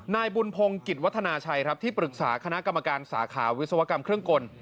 นายบุญพงศ์กิจวัฒนาชัยครับที่ปรึกษาคณะกรรมการสาขาวิศวกรรมเครื่องกล